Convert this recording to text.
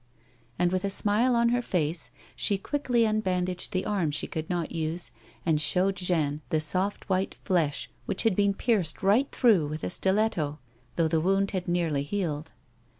And, with a smile on her face, she quickly unbandaged the arm she could not use, and showed Jeanne the soft, white ilesh which had been pierced right through with a stiletto, though the wound had nearly healed.